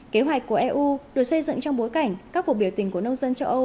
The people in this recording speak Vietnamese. kế hoạch của eu được xây dựng trong bối cảnh các cuộc biểu tình của nông dân châu âu